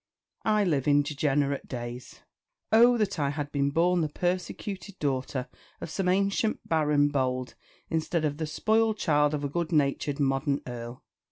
I live in degenerate days. Oh that I had been born the persecuted daughter of some ancient baron bold instead of the spoiled child of a good natured modern earl!